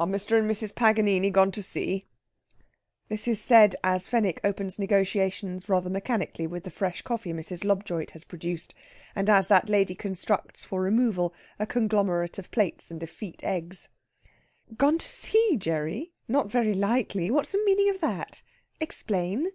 "Are Mr. and Mrs. Paganini gone to sea?" This is said as Fenwick opens negotiations rather mechanically with the fresh coffee Mrs. Lobjoit has produced, and as that lady constructs for removal a conglomerate of plates and effete eggs. "Gone to sea, Gerry? Not very likely. What's the meaning of that? Explain."